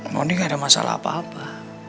moni nggak ada masalah apa apa